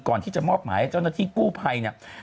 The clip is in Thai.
ก่อนที่จะมอบหมายให้เจ้าหน้าที่กู้ภัยเนี่ย